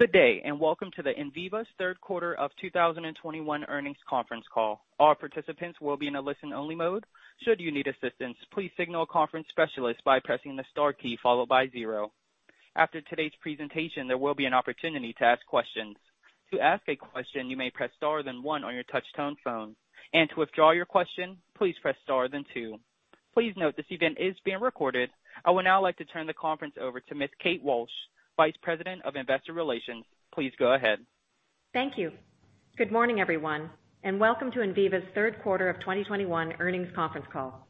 Good day, and welcome to Enviva's third quarter of 2021 earnings conference call. All participants will be in a listen-only mode. Should you need assistance, please signal a conference specialist by pressing the star key followed by zero. After today's presentation, there will be an opportunity to ask questions. To ask a question, you may press star then one on your touchtone phone. To withdraw your question, please press star then two. Please note this event is being recorded. I would now like to turn the conference over to Ms. Kate Walsh, Vice President of Investor Relations. Please go ahead. Thank you. Good morning, everyone, and welcome to Enviva's third quarter of 2021 earnings conference call.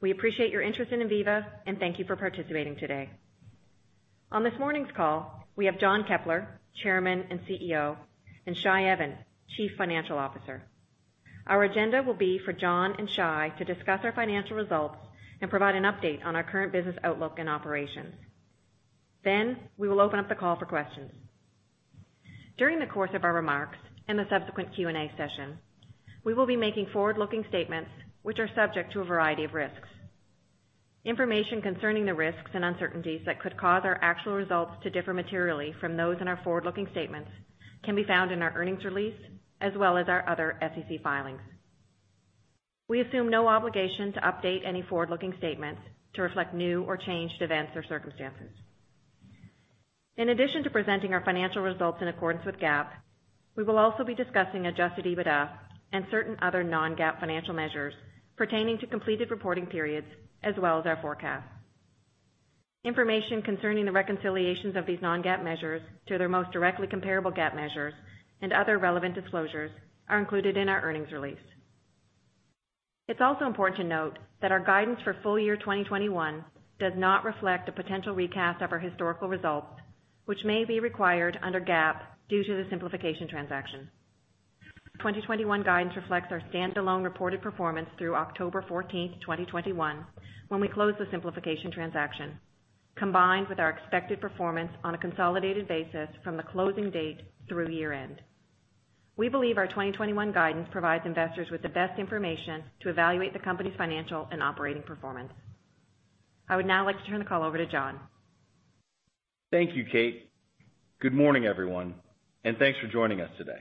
We appreciate your interest in Enviva, and thank you for participating today. On this morning's call, we have John Keppler, Chairman and CEO, and Shai Even, Chief Financial Officer. Our agenda will be for John and Shai to discuss our financial results and provide an update on our current business outlook and operations. Then we will open up the call for questions. During the course of our remarks and the subsequent Q&A session, we will be making forward-looking statements which are subject to a variety of risks. Information concerning the risks and uncertainties that could cause our actual results to differ materially from those in our forward-looking statements can be found in our earnings release, as well as our other SEC filings. We assume no obligation to update any forward-looking statements to reflect new or changed events or circumstances. In addition to presenting our financial results in accordance with GAAP, we will also be discussing Adjusted EBITDA and certain other non-GAAP financial measures pertaining to completed reporting periods, as well as our forecast. Information concerning the reconciliations of these non-GAAP measures to their most directly comparable GAAP measures and other relevant disclosures are included in our earnings release. It's also important to note that our guidance for full year 2021 does not reflect the potential recast of our historical results, which may be required under GAAP due to the Simplification Transaction. 2021 guidance reflects our standalone reported performance through October 14th, 2021 when we closed the Simplification Transaction, combined with our expected performance on a consolidated basis from the closing date through year-end. We believe our 2021 guidance provides investors with the best information to evaluate the company's financial and operating performance. I would now like to turn the call over to John. Thank you, Kate. Good morning, everyone, and thanks for joining us today.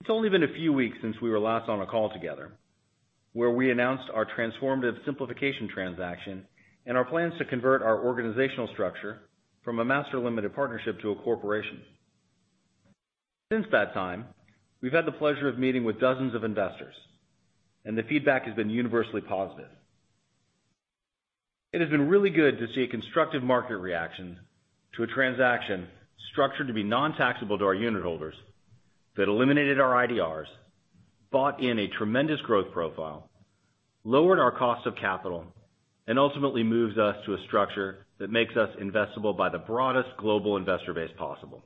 It's only been a few weeks since we were last on a call together, where we announced our transformative Simplification Transaction and our plans to convert our organizational structure from a master limited partnership to a corporation. Since that time, we've had the pleasure of meeting with dozens of investors, and the feedback has been universally positive. It has been really good to see a constructive market reaction to a transaction structured to be non-taxable to our unitholders that eliminated our IDRs, bought in a tremendous growth profile, lowered our cost of capital, and ultimately moves us to a structure that makes us investable by the broadest global investor base possible.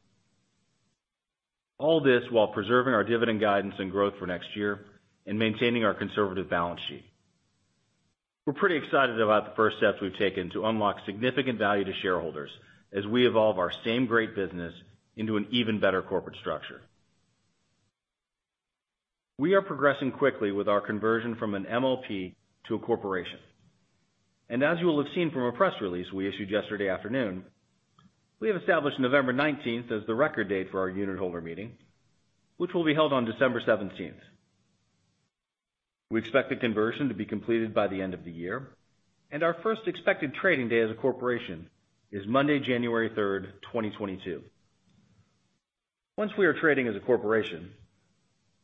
All this while preserving our dividend guidance and growth for next year and maintaining our conservative balance sheet. We're pretty excited about the first steps we've taken to unlock significant value to shareholders as we evolve our same great business into an even better corporate structure. We are progressing quickly with our conversion from an MLP to a corporation. As you will have seen from a press release we issued yesterday afternoon, we have established November 19th as the record date for our unitholder meeting, which will be held on December 17th. We expect the conversion to be completed by the end of the year, and our first expected trading day as a corporation is Monday, January 3rd, 2022. Once we are trading as a corporation,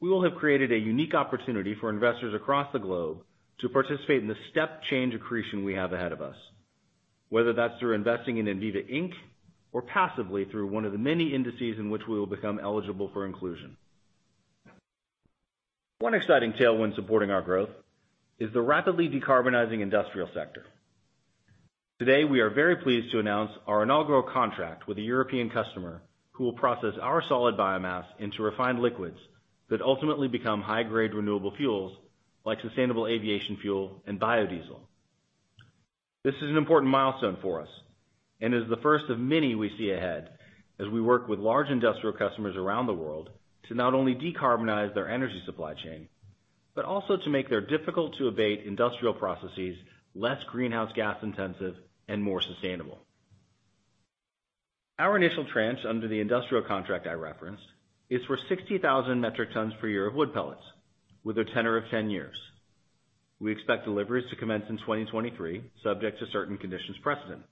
we will have created a unique opportunity for investors across the globe to participate in the step change accretion we have ahead of us, whether that's through investing in Enviva Inc. Passively through one of the many indices in which we will become eligible for inclusion. One exciting tailwind supporting our growth is the rapidly decarbonizing industrial sector. Today, we are very pleased to announce our inaugural contract with a European customer who will process our solid biomass into refined liquids that ultimately become high-grade renewable fuels like sustainable aviation fuel and biodiesel. This is an important milestone for us and is the first of many we see ahead as we work with large industrial customers around the world to not only decarbonize their energy supply chain, but also to make their difficult-to-abate industrial processes less greenhouse gas intensive and more sustainable. Our initial tranche under the industrial contract I referenced is for 60,000 metric tons per year of wood pellets with a tenor of 10 years. We expect deliveries to commence in 2023, subject to certain conditions precedent.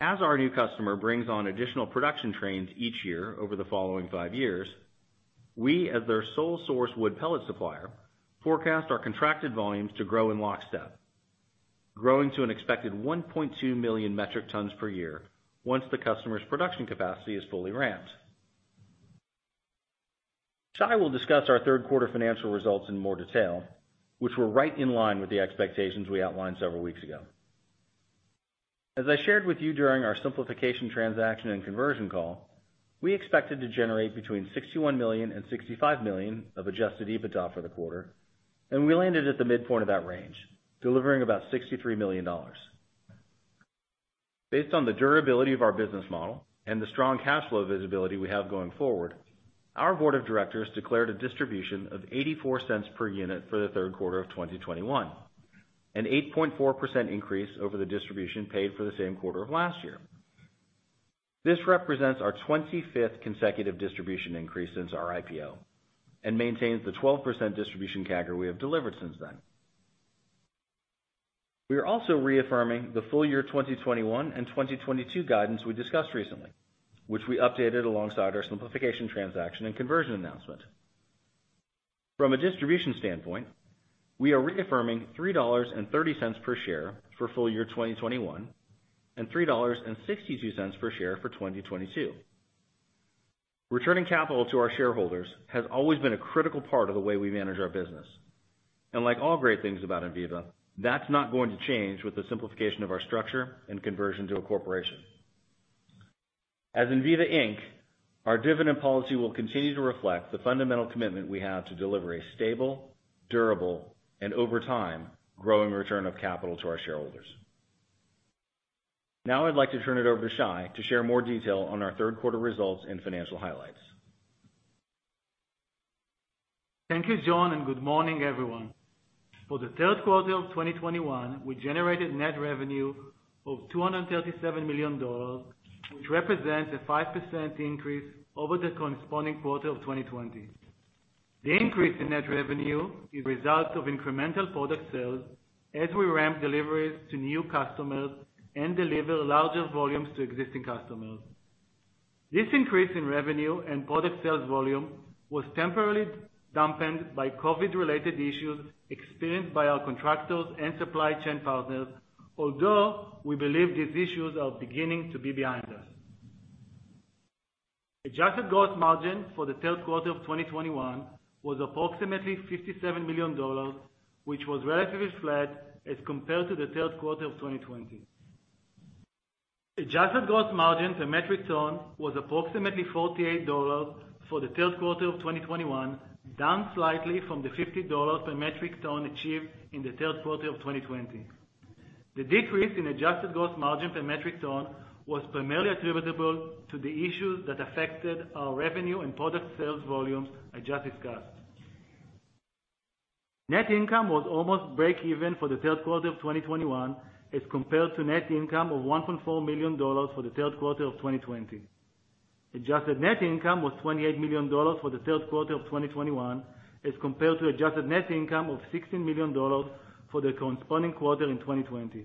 As our new customer brings on additional production trains each year over the following five years, we, as their sole source wood pellet supplier, forecast our contracted volumes to grow in lockstep, growing to an expected 1.2 million metric tons per year once the customer's production capacity is fully ramped. Shai will discuss our third quarter financial results in more detail, which were right in line with the expectations we outlined several weeks ago. As I shared with you during our Simplification Transaction and conversion call, we expected to generate between $61 million and $65 million of Adjusted EBITDA for the quarter, and we landed at the midpoint of that range, delivering about $63 million. Based on the durability of our business model and the strong cash flow visibility we have going forward, our board of directors declared a distribution of $0.84 per unit for Q3 2021. An 8.4% increase over the distribution paid for the same quarter of last year. This represents our 25th consecutive distribution increase since our IPO, and maintains the 12% distribution CAGR we have delivered since then. We are also reaffirming the full year 2021 and 2022 guidance we discussed recently, which we updated alongside our Simplification Transaction and conversion announcement. From a distribution standpoint, we are reaffirming $3.30 per share for full year 2021, and $3.62 per share for 2022. Returning capital to our shareholders has always been a critical part of the way we manage our business. Like all great things about Enviva, that's not going to change with the simplification of our structure and conversion to a corporation. As Enviva Inc, our dividend policy will continue to reflect the fundamental commitment we have to deliver a stable, durable, and over time, growing return of capital to our shareholders. Now I'd like to turn it over to Shai to share more detail on our third quarter results and financial highlights. Thank you, John, and good morning, everyone. For the third quarter of 2021, we generated net revenue of $237 million, which represents a 5% increase over the corresponding quarter of 2020. The increase in net revenue is a result of incremental product sales as we ramp deliveries to new customers and deliver larger volumes to existing customers. This increase in revenue and product sales volume was temporarily dampened by COVID-related issues experienced by our contractors and supply chain partners. Although we believe these issues are beginning to be behind us. Adjusted gross margin for the third quarter of 2021 was approximately $57 million, which was relatively flat as compared to the third quarter of 2020. Adjusted gross margin per metric ton was approximately $48 for the third quarter of 2021, down slightly from the $50 per metric ton achieved in the third quarter of 2020. The decrease in adjusted gross margin per metric ton was primarily attributable to the issues that affected our revenue and product sales volume I just discussed. Net income was almost break-even for the third quarter of 2021, as compared to net income of $1.4 million for the third quarter of 2020. Adjusted net income was $28 million for the third quarter of 2021, as compared to adjusted net income of $16 million for the corresponding quarter in 2020.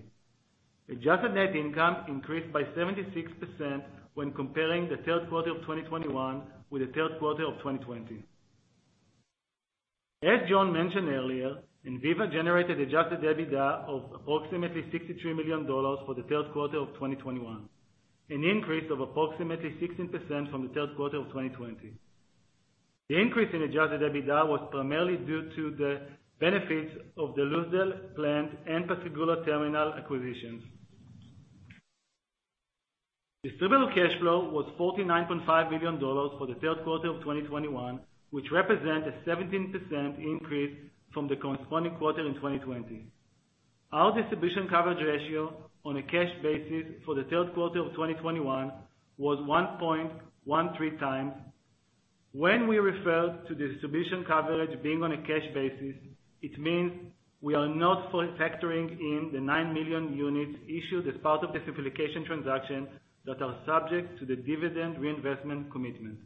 Adjusted net income increased by 76% when comparing the third quarter of 2021 with the third quarter of 2020. As John mentioned earlier, Enviva generated Adjusted EBITDA of approximately $63 million for the third quarter of 2021, an increase of approximately 16% from the third quarter of 2020. The increase in Adjusted EBITDA was primarily due to the benefits of the Lucedale plant and Pascagoula terminal acquisitions. Distributable cash flow was $49.5 million for the third quarter of 2021, which represents a 17% increase from the corresponding quarter in 2020. Our distribution coverage ratio on a cash basis for the third quarter of 2021 was 1.13x. When we refer to distribution coverage being on a cash basis, it means we are not factoring in the 9 million units issued as part of the Simplification Transaction that are subject to the dividend reinvestment commitment.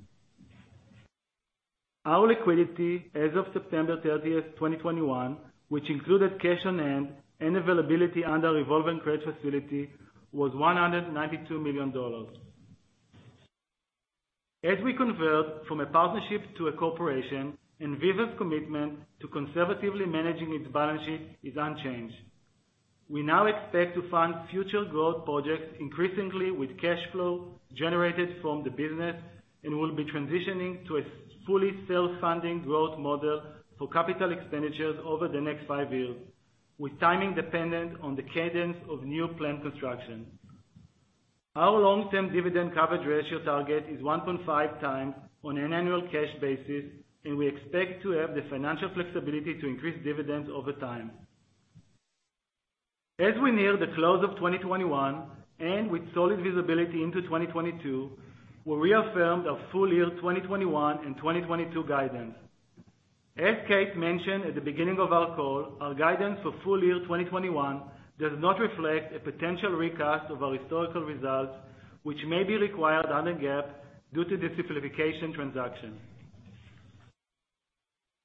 Our liquidity as of September 30th, 2021, which included cash on hand and availability under our revolving credit facility, was $192 million. As we convert from a partnership to a corporation, Enviva's commitment to conservatively managing its balance sheet is unchanged. We now expect to fund future growth projects increasingly with cash flow generated from the business, and we'll be transitioning to a fully self-funding growth model for capital expenditures over the next five years, with timing dependent on the cadence of new plant construction. Our long-term dividend coverage ratio target is 1.5x on an annual cash basis, and we expect to have the financial flexibility to increase dividends over time. As we near the close of 2021, and with solid visibility into 2022, we reaffirmed our full year 2021 and 2022 guidance. As Kate mentioned at the beginning of our call, our guidance for full year 2021 does not reflect a potential recast of our historical results, which may be required under GAAP due to the Simplification Transaction.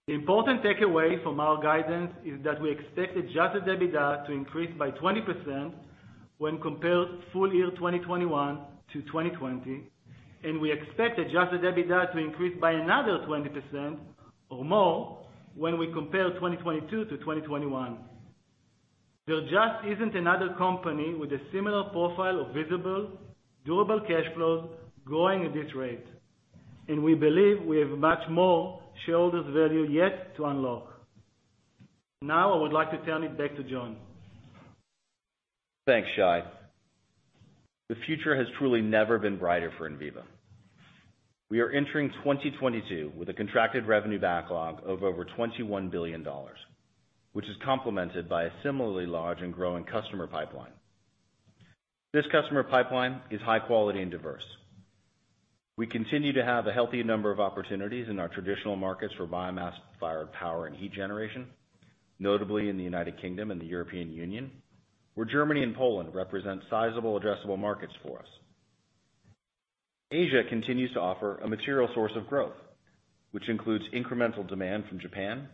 The important takeaway from our guidance is that we expect Adjusted EBITDA to increase by 20% when comparing full year 2021 to 2020, and we expect Adjusted EBITDA to increase by another 20% or more when we compare 2022 to 2021. There just isn't another company with a similar profile of visible, durable cash flows growing at this rate, and we believe we have much more shareholder value yet to unlock. Now, I would like to turn it back to John. Thanks, Shai. The future has truly never been brighter for Enviva. We are entering 2022 with a contracted revenue backlog of over $21 billion, which is complemented by a similarly large and growing customer pipeline. This customer pipeline is high quality and diverse. We continue to have a healthy number of opportunities in our traditional markets for biomass-fired power and heat generation, notably in the United Kingdom and the European Union, where Germany and Poland represent sizable addressable markets for us. Asia continues to offer a material source of growth, which includes incremental demand from Japan,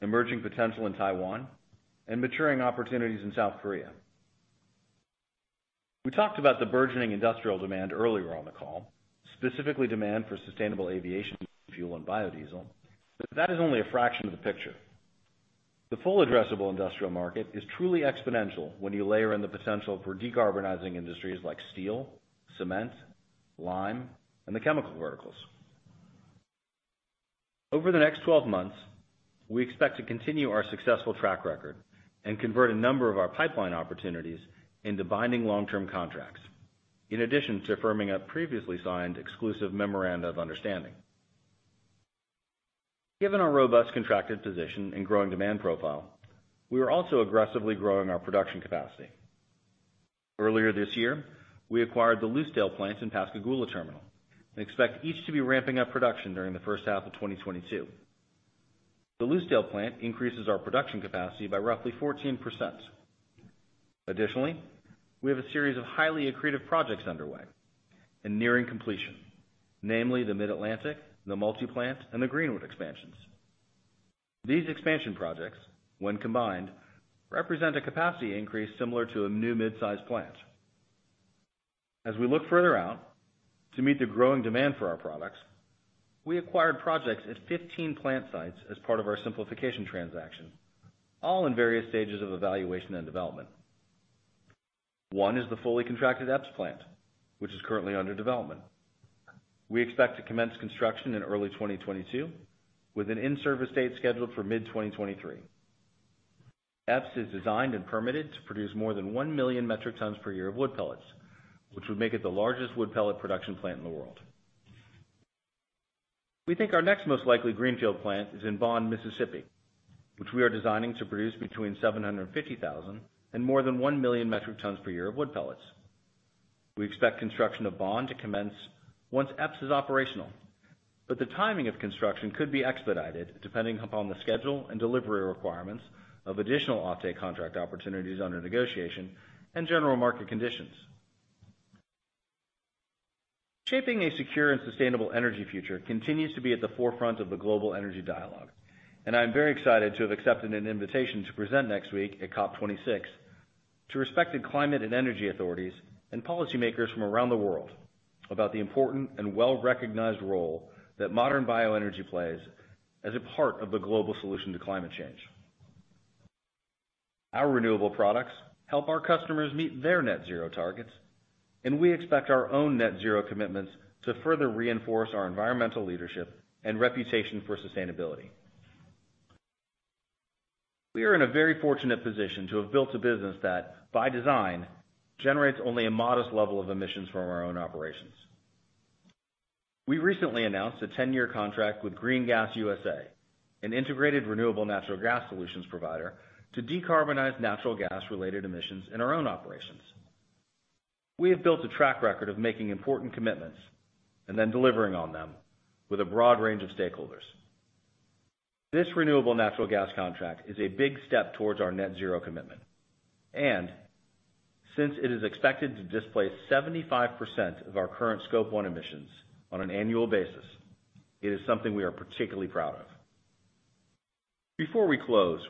emerging potential in Taiwan, and maturing opportunities in South Korea. We talked about the burgeoning industrial demand earlier on the call, specifically demand for sustainable aviation fuel and biodiesel, but that is only a fraction of the picture. The full addressable industrial market is truly exponential when you layer in the potential for decarbonizing industries like steel, cement, lime, and the chemical verticals. Over the next 12 months, we expect to continue our successful track record and convert a number of our pipeline opportunities into binding long-term contracts, in addition to firming up previously signed exclusive memorandum of understanding. Given our robust contracted position and growing demand profile, we are also aggressively growing our production capacity. Earlier this year, we acquired the Lucedale plant and Pascagoula terminal and expect each to be ramping up production during the first half of 2022. The Lucedale plant increases our production capacity by roughly 14%. Additionally, we have a series of highly accretive projects underway and nearing completion, namely the Mid-Atlantic, the Multi-Plant, and the Greenwood expansions. These expansion projects, when combined, represent a capacity increase similar to a new mid-size plant. As we look further out to meet the growing demand for our products, we acquired projects at 15 plant sites as part of our Simplification Transaction, all in various stages of evaluation and development. One is the fully contracted Epes plant, which is currently under development. We expect to commence construction in early 2022 with an in-service date scheduled for mid-2023. Epes is designed and permitted to produce more than 1 million metric tons per year of wood pellets, which would make it the largest wood pellet production plant in the world. We think our next most likely greenfield plant is in Bond, Mississippi, which we are designing to produce between 750,000 and more than 1 million metric tons per year of wood pellets. We expect construction of Bond to commence once Epes is operational, but the timing of construction could be expedited depending upon the schedule and delivery requirements of additional offtake contract opportunities under negotiation and general market conditions. Shaping a secure and sustainable energy future continues to be at the forefront of the global energy dialogue, and I am very excited to have accepted an invitation to present next week at COP26 to respected climate and energy authorities and policymakers from around the world about the important and well-recognized role that modern bioenergy plays as a part of the global solution to climate change. Our renewable products help our customers meet their net zero targets, and we expect our own net zero commitments to further reinforce our environmental leadership and reputation for sustainability. We are in a very fortunate position to have built a business that, by design, generates only a modest level of emissions from our own operations. We recently announced a 10-year contract with GreenGas USA, an integrated renewable natural gas solutions provider, to decarbonize natural gas-related emissions in our own operations. We have built a track record of making important commitments and then delivering on them with a broad range of stakeholders. This renewable natural gas contract is a big step towards our net zero commitment. Since it is expected to displace 75% of our current Scope 1 emissions on an annual basis, it is something we are particularly proud of. Before we close,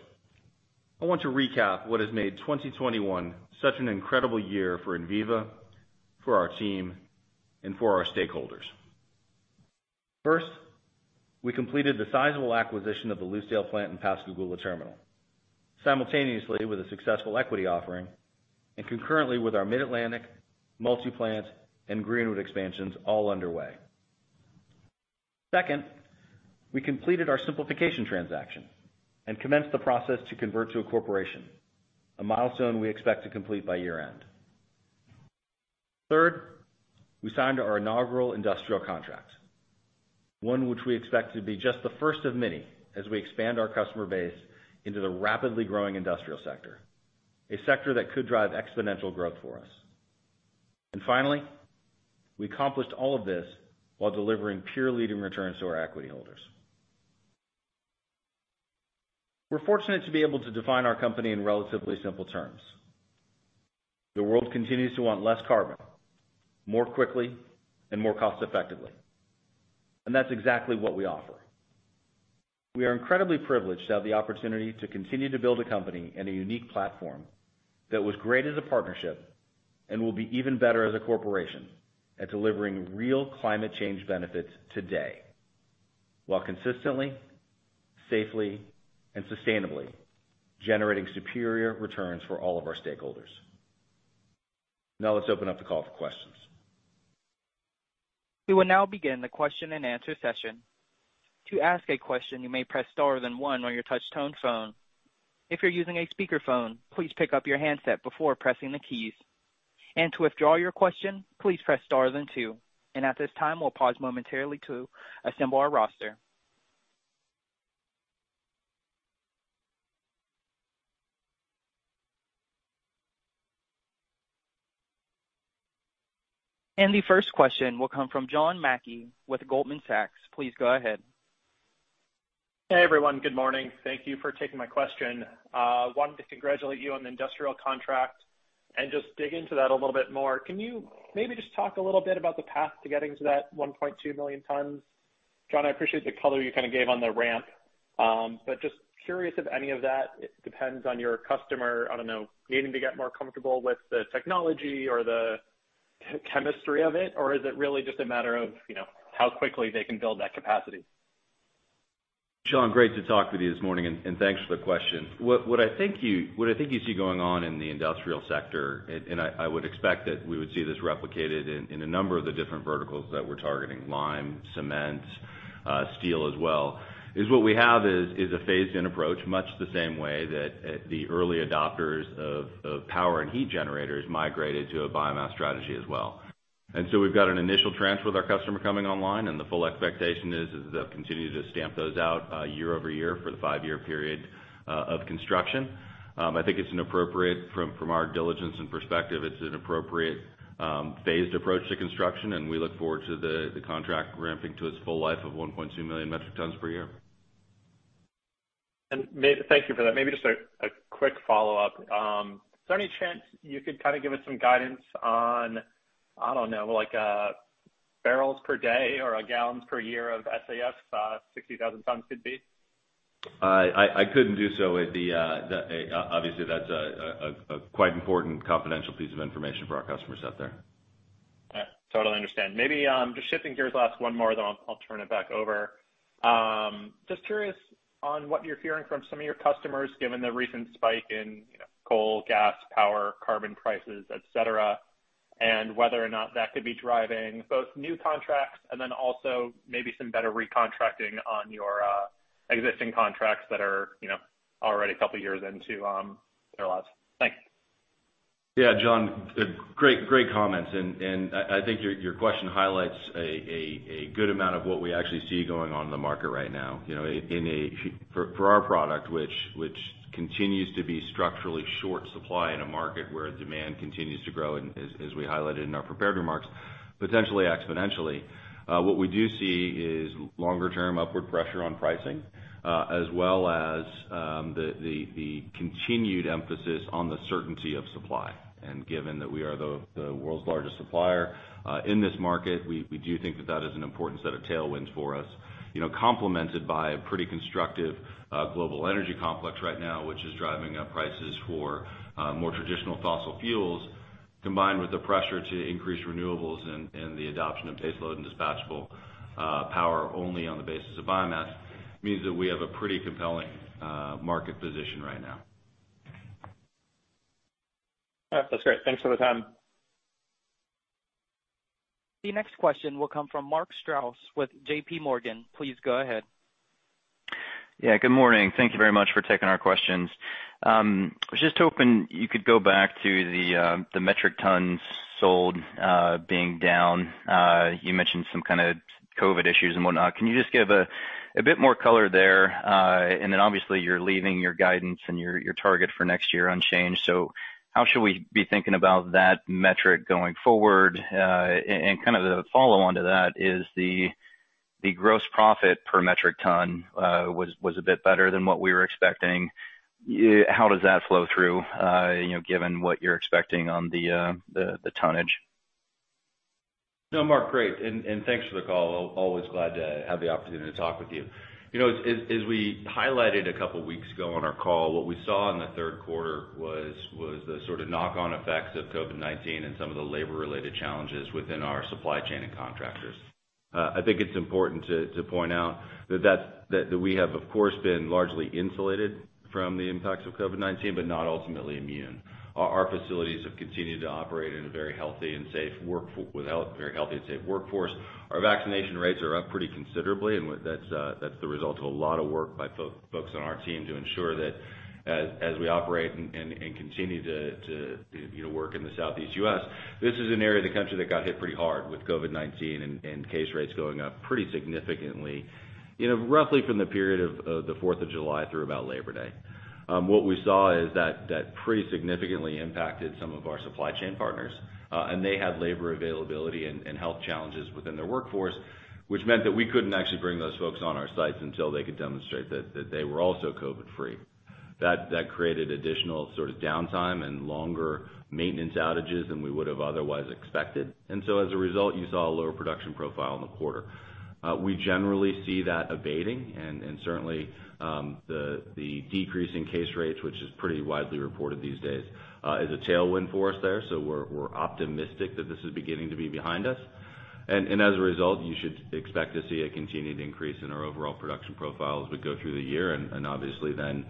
I want to recap what has made 2021 such an incredible year for Enviva, for our team, and for our stakeholders. First, we completed the sizable acquisition of the Lucedale plant and Pascagoula terminal simultaneously with a successful equity offering and concurrently with our Mid-Atlantic, Multi-Plant, and Greenwood expansions all underway. Second, we completed our Simplification Transaction and commenced the process to convert to a corporation, a milestone we expect to complete by year-end. Third, we signed our inaugural industrial contract, one which we expect to be just the first of many as we expand our customer base into the rapidly growing industrial sector, a sector that could drive exponential growth for us. Finally, we accomplished all of this while delivering pure leading returns to our equity holders. We're fortunate to be able to define our company in relatively simple terms. The world continues to want less carbon, more quickly and more cost-effectively, and that's exactly what we offer. We are incredibly privileged to have the opportunity to continue to build a company and a unique platform that was great as a partnership and will be even better as a corporation at delivering real climate change benefits today, while consistently, safely, and sustainably generating superior returns for all of our stakeholders. Now let's open up the call for questions. We will now begin the question-and-answer session. To ask a question, you may press star then one on your touch-tone phone. If you're using a speakerphone, please pick up your handset before pressing the keys. To withdraw your question, please press star then two. At this time, we'll pause momentarily to assemble our roster. The first question will come from John Mackay with Goldman Sachs. Please go ahead. Hey, everyone. Good morning. Thank you for taking my question. Wanted to congratulate you on the industrial contract and just dig into that a little bit more. Can you maybe just talk a little bit about the path to getting to that 1.2 million tons? John, I appreciate the color you kinda gave on the ramp. But just curious if any of that depends on your customer, I don't know, needing to get more comfortable with the technology or the chemistry of it, or is it really just a matter of, you know, how quickly they can build that capacity? John, great to talk with you this morning, and thanks for the question. What I think you see going on in the industrial sector, and I would expect that we would see this replicated in a number of the different verticals that we're targeting, lime, cement, steel as well, is what we have is a phase-in approach, much the same way that the early adopters of power and heat generators migrated to a biomass strategy as well. We've got an initial transfer with our customer coming online, and the full expectation is they'll continue to stamp those out, year over year for the five-year period of construction. I think, from our diligence and perspective, it's an appropriate phased approach to construction, and we look forward to the contract ramping to its full life of 1.2 million metric tons per year. Thank you for that. Maybe just a quick follow-up. Is there any chance you could kinda give us some guidance on, I don't know, like, barrels per day or gallons per year of SAF 60,000 tons could be? I couldn't do so. Obviously, that's quite an important confidential piece of information for our customers out there. I totally understand. Maybe just shifting gears, last one more then I'll turn it back over. Just curious on what you're hearing from some of your customers given the recent spike in, you know, coal, gas, power, carbon prices, et cetera, and whether or not that could be driving both new contracts and then also maybe some better recontracting on your existing contracts that are, you know, already a couple of years into their lives. Thanks. Yeah. John, great comments. I think your question highlights a good amount of what we actually see going on in the market right now. You know, for our product, which continues to be structurally short supply in a market where demand continues to grow and as we highlighted in our prepared remarks, potentially exponentially. What we do see is longer term upward pressure on pricing, as well as the continued emphasis on the certainty of supply. Given that we are the world's largest supplier in this market, we do think that is an important set of tailwinds for us. You know, complemented by a pretty constructive, global energy complex right now, which is driving up prices for, more traditional fossil fuels, combined with the pressure to increase renewables and the adoption of baseload and dispatchable, power only on the basis of biomass, means that we have a pretty compelling, market position right now. All right. That's great. Thanks for the time. The next question will come from Mark Strouse with JPMorgan. Please go ahead. Yeah. Good morning. Thank you very much for taking our questions. I was just hoping you could go back to the metric tons sold being down. You mentioned some kinda COVID issues and whatnot. Can you just give a bit more color there? And then obviously you're leaving your guidance and your target for next year unchanged. How should we be thinking about that metric going forward? And kind of the follow-on to that is the gross profit per metric ton was a bit better than what we were expecting. How does that flow through you know given what you're expecting on the tonnage? No, Mark. Great. Thanks for the call. Always glad to have the opportunity to talk with you. You know, as we highlighted a couple of weeks ago on our call, what we saw in the third quarter was the sort of knock-on effects of COVID-19 and some of the labor-related challenges within our supply chain and contractors. I think it's important to point out that we have of course been largely insulated from the impacts of COVID-19, but not ultimately immune. Our facilities have continued to operate with a very healthy and safe workforce. Our vaccination rates are up pretty considerably, and that's the result of a lot of work by folks on our team to ensure that as we operate and continue to, you know, work in the Southeast U.S., this is an area of the country that got hit pretty hard with COVID-19 and case rates going up pretty significantly, you know, roughly from the period of the 4th of July through about Labor Day. What we saw is that pretty significantly impacted some of our supply chain partners, and they had labor availability and health challenges within their workforce, which meant that we couldn't actu ally bring those folks on our sites until they could demonstrate that they were also COVID free. That created additional sort of downtime and longer maintenance outages than we would have otherwise expected. As a result, you saw a lower production profile in the quarter. We generally see that abating and certainly, the decrease in case rates, which is pretty widely reported these days, is a tailwind for us there. We're optimistic that this is beginning to be behind us. As a result, you should expect to see a continued increase in our overall production profile as we go through the year and obviously then,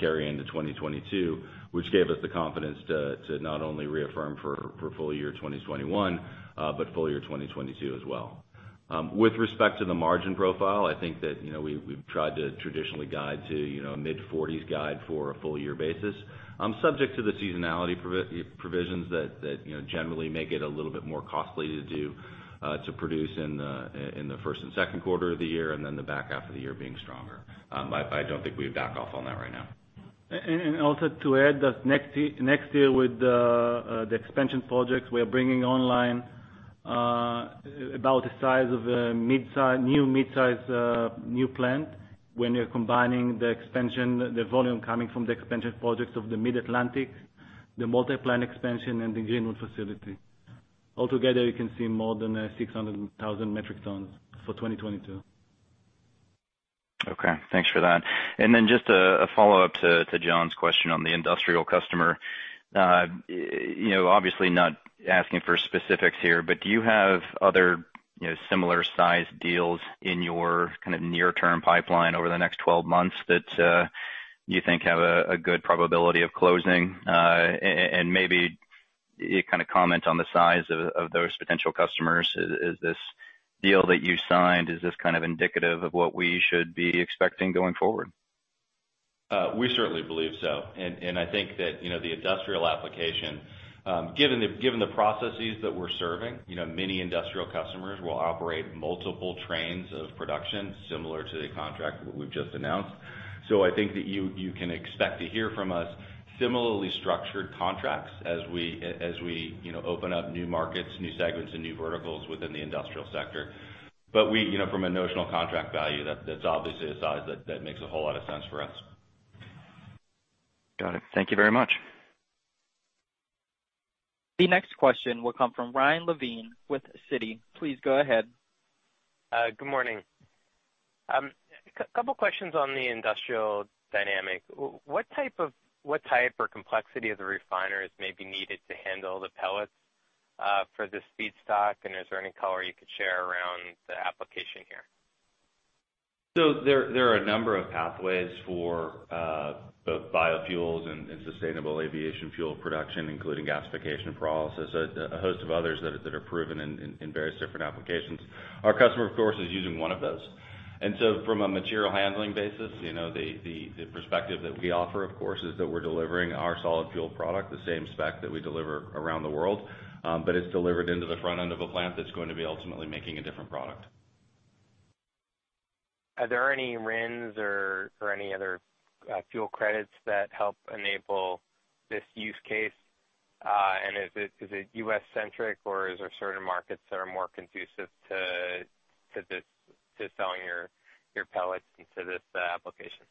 carry into 2022, which gave us the confidence to not only reaffirm for full year 2021, but full year 2022 as well. With respect to the margin profile, I think that, you know, we've tried to traditionally guide to, you know, mid-40s% guide for a full year basis, subject to the seasonality provisions that, you know, generally make it a little bit more costly to do to produce in the in the first and second quarter of the year and then the back half of the year being stronger. I don't think we back off on that right now. Also to add that next year with the expansion projects we are bringing online, about the size of a mid-size new plant when you're combining the expansion, the volume coming from the expansion projects of the Mid-Atlantic, the Multi-Plant Expansion and the Greenwood facility. All together, you can see more than 600,000 metric tons for 2022. Okay. Thanks for that. Just a follow-up to John's question on the industrial customer. You know, obviously not asking for specifics here, but do you have other, you know, similar sized deals in your kind of near-term pipeline over the next 12 months that you think have a good probability of closing? And maybe you kind of comment on the size of those potential customers. Is this deal that you signed, is this kind of indicative of what we should be expecting going forward? We certainly believe so. I think that, you know, the industrial application, given the processes that we're serving, you know, many industrial customers will operate multiple trains of production similar to the contract we've just announced. I think that you can expect to hear from us similarly structured contracts as we, as we, you know, open up new markets, new segments, and new verticals within the industrial sector. We, you know, from a notional contract value, that's obviously a size that makes a whole lot of sense for us. Got it. Thank you very much. The next question will come from Ryan Levine with Citi. Please go ahead. Good morning. Couple questions on the industrial dynamic. What type or complexity of the refiners may be needed to handle the pellets, for this feedstock? And is there any color you could share around the application here? There are a number of pathways for both biofuels and sustainable aviation fuel production, including gasification processes, a host of others that are proven in various different applications. Our customer, of course, is using one of those. From a material handling basis, you know, the perspective that we offer, of course, is that we're delivering our solid fuel product, the same spec that we deliver around the world, but it's delivered into the front end of a plant that's going to be ultimately making a different product. Are there any RINs or any other fuel credits that help enable this use case? Is it U.S.-centric or is there certain markets that are more conducive to selling your pellets into this application?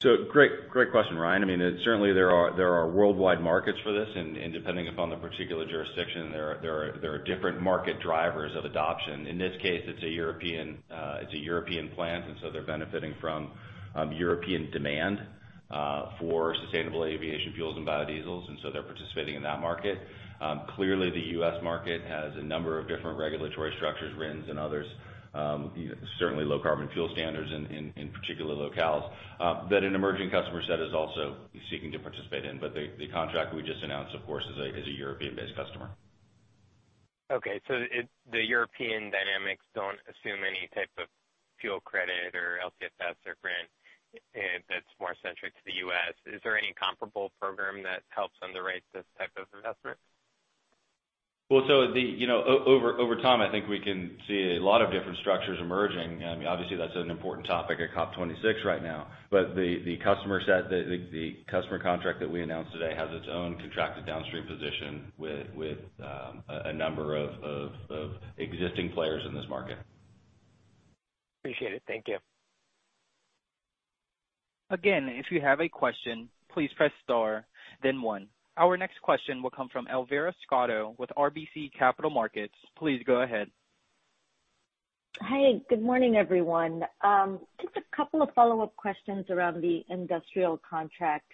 Great question, Ryan. I mean, certainly there are worldwide markets for this and depending upon the particular jurisdiction, there are different market drivers of adoption. In this case, it's a European plant, and so they're benefiting from European demand for sustainable aviation fuels and biodiesels, and so they're participating in that market. Clearly the U.S. market has a number of different regulatory structures, RINs and others, you know, certainly Low Carbon Fuel Standard in particular locales that an emerging customer set is also seeking to participate in. But the contract we just announced, of course, is a European-based customer. The European dynamics don't assume any type of fuel credit or LCFS or grant, that's more centric to the U.S. Is there any comparable program that helps underwrite this type of investment? Well, you know, over time, I think we can see a lot of different structures emerging. I mean, obviously that's an important topic at COP26 right now. The customer set that the customer contract that we announced today has its own contracted downstream position with a number of existing players in this market. Appreciate it. Thank you. Again, if you have a question, please press star then one. Our next question will come from Elvira Scotto with RBC Capital Markets. Please go ahead. Hi. Good morning, everyone. Just a couple of follow-up questions around the industrial contract.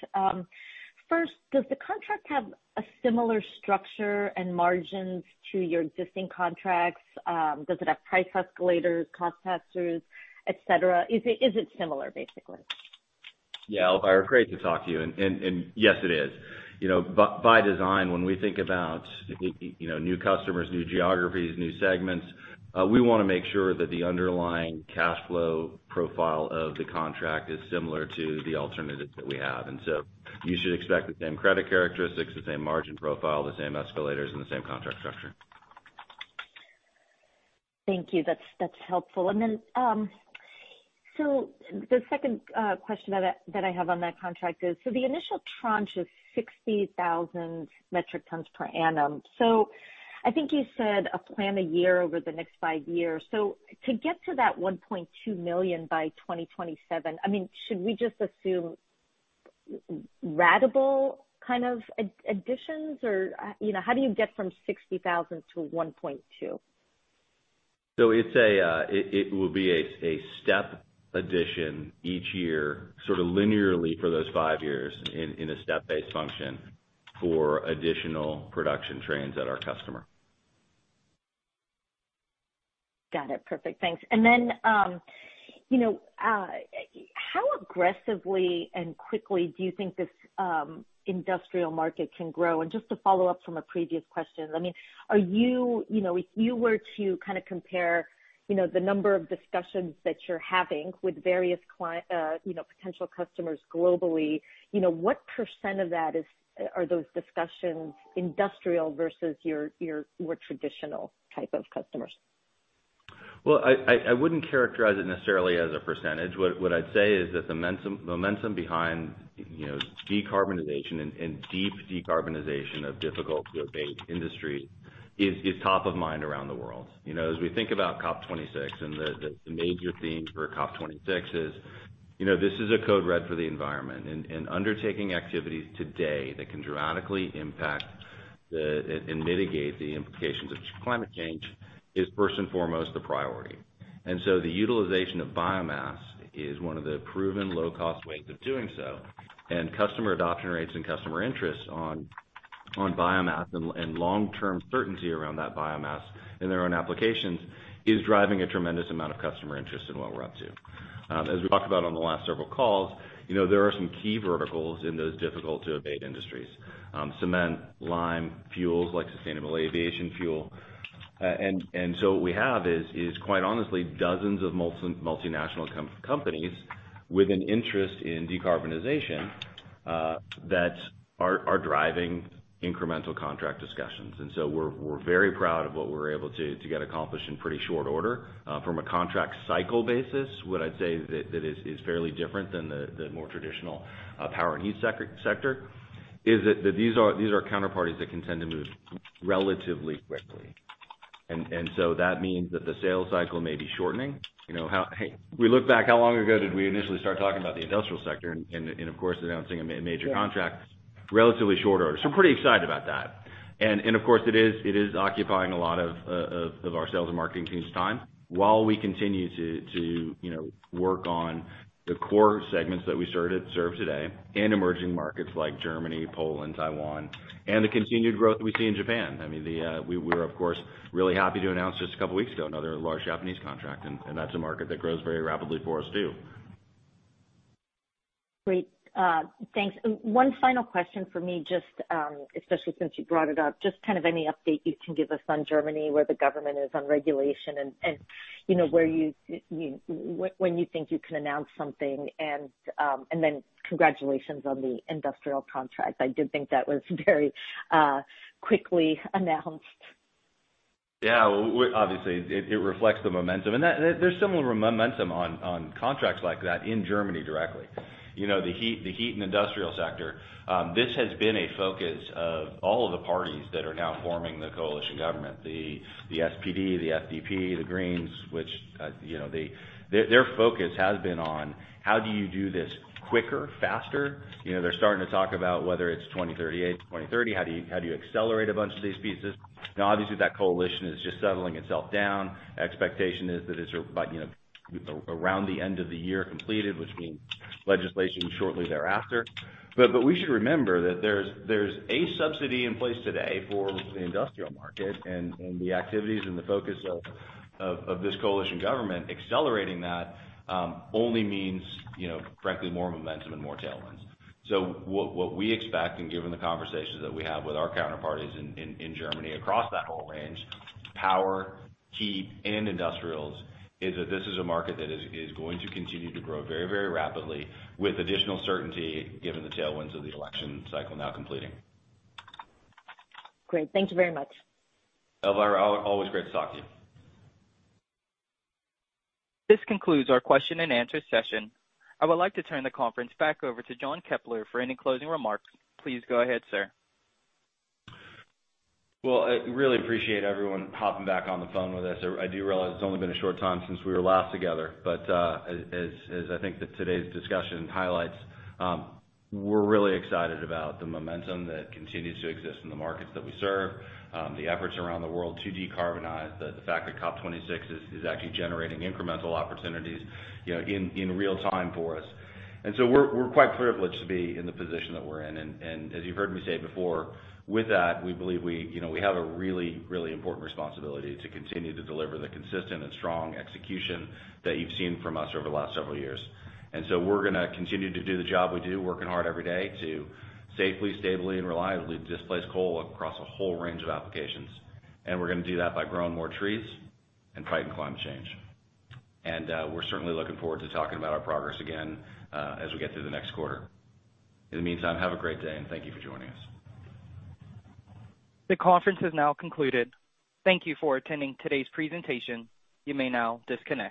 First, does the contract have a similar structure and margins to your existing contracts? Does it have price escalators, cost pass-throughs, et cetera? Is it similar, basically? Yeah. Elvira, great to talk to you. Yes, it is. You know, by design, when we think about, you know, new customers, new geographies, new segments, we wanna make sure that the underlying cash flow profile of the contract is similar to the alternatives that we have. You should expect the same credit characteristics, the same margin profile, the same escalators and the same contract structure. Thank you. That's helpful. The second question that I have on that contract is, the initial tranche is 60,000 metric tons per annum. I think you said a plant a year over the next five years. To get to that 1.2 million by 2027, I mean, should we just assume ratable kind of additions or, you know, how do you get from 60,000 to 1.2 million? It will be a step addition each year, sort of linearly for those five years in a step-based function for additional production trains at our customer. Got it. Perfect. Thanks. Then, you know, how aggressively and quickly do you think this industrial market can grow? Just to follow up from a previous question, I mean, are you know, if you were to kind of compare, you know, the number of discussions that you're having with various potential customers globally, you know, what percent of that are those discussions industrial versus your more traditional type of customers? Well, I wouldn't characterize it necessarily as a percentage. What I'd say is that the momentum behind, you know, decarbonization and deep decarbonization of difficult to abate industries is top of mind around the world. You know, as we think about COP26 and the major theme for COP26 is, you know, this is a code red for the environment. Undertaking activities today that can dramatically impact and mitigate the implications of climate change is first and foremost the priority. The utilization of biomass is one of the proven low-cost ways of doing so, and customer adoption rates and customer interest on biomass and long-term certainty around that biomass in their own applications is driving a tremendous amount of customer interest in what we're up to. As we talked about on the last several calls, you know, there are some key verticals in those difficult to abate industries. Cement, lime, fuels like sustainable aviation fuel. What we have is quite honestly dozens of multinational companies with an interest in decarbonization that are driving incremental contract discussions. We're very proud of what we're able to get accomplished in pretty short order. From a contract cycle basis, what I'd say that is fairly different than the more traditional power and heat sector is that these are counterparties that can tend to move relatively quickly. That means that the sales cycle may be shortening. You know, we look back, how long ago did we initially start talking about the industrial sector and, of course, announcing a major contract relatively short order. We're pretty excited about that. Of course, it is occupying a lot of our sales and marketing team's time while we continue to, you know, work on the core segments that we serve today in emerging markets like Germany, Poland, Taiwan, and the continued growth we see in Japan. I mean, we're of course really happy to announce just a couple weeks ago, another large Japanese contract, and that's a market that grows very rapidly for us too. Great. Thanks. One final question for me, just especially since you brought it up, just kind of any update you can give us on Germany, where the government is on regulation and you know, where you when you think you can announce something? Then congratulations on the industrial contract. I did think that was very quickly announced. Yeah. Obviously, it reflects the momentum. There's similar momentum on contracts like that in Germany directly. You know, the heat and industrial sector, this has been a focus of all of the parties that are now forming the coalition government, the SPD, the FDP, the Greens, which you know, their focus has been on how do you do this quicker, faster? You know, they're starting to talk about whether it's 2038-2030. How do you accelerate a bunch of these pieces? Now, obviously, that coalition is just settling itself down. Expectation is that it's by, you know, around the end of the year completed, which means legislation shortly thereafter. We should remember that there's a subsidy in place today for the industrial market and the activities and the focus of this coalition government accelerating that only means, you know, frankly, more momentum and more tailwinds. What we expect, and given the conversations that we have with our counterparties in Germany across that whole range, power, heat, and industrials, is that this is a market that is going to continue to grow very rapidly with additional certainty given the tailwinds of the election cycle now completing. Great. Thank you very much. Elvira, always great to talk to you. This concludes our question and answer session. I would like to turn the conference back over to John Keppler for any closing remarks. Please go ahead, sir. Well, I really appreciate everyone hopping back on the phone with us. I do realize it's only been a short time since we were last together, but as I think that today's discussion highlights, we're really excited about the momentum that continues to exist in the markets that we serve, the efforts around the world to decarbonize, the fact that COP26 is actually generating incremental opportunities, you know, in real time for us. We're quite privileged to be in the position that we're in. As you've heard me say before, with that, we believe, you know, we have a really important responsibility to continue to deliver the consistent and strong execution that you've seen from us over the last several years. We're gonna continue to do the job we do, working hard every day to safely, stably, and reliably displace coal across a whole range of applications. We're gonna do that by growing more trees and fighting climate change. We're certainly looking forward to talking about our progress again, as we get through the next quarter. In the meantime, have a great day, and thank you for joining us. The conference has now concluded. Thank you for attending today's presentation. You may now disconnect.